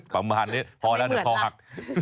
ประมวงศาลนี้พอแล้วเนี่ยพอหัก